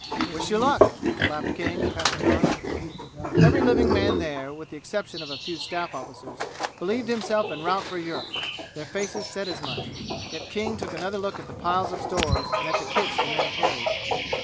"Wish you luck!" laughed King, passing on. Every living man there, with the exception of a few staff officers, believed himself en route for Europe; their faces said as much. Yet King took another look at the piles of stores and at the kits the men carried.